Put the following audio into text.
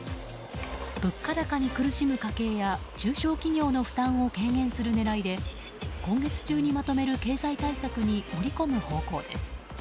物価高に苦しむ家計や中小企業の負担を軽減する狙いで今月中にまとめる経済対策に盛り込む方向です。